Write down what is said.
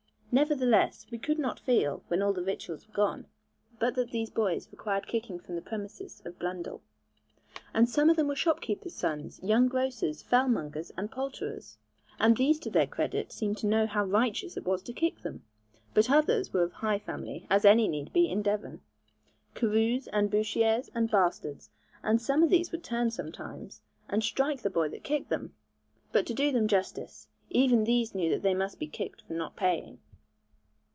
Nevertheless, we could not feel, when all the victuals were gone, but that these boys required kicking from the premises of Blundell. And some of them were shopkeepers' sons, young grocers, fellmongers, and poulterers, and these to their credit seemed to know how righteous it was to kick them. But others were of high family, as any need be, in Devon Carews, and Bouchiers, and Bastards, and some of these would turn sometimes, and strike the boy that kicked them. But to do them justice, even these knew that they must be kicked for not paying.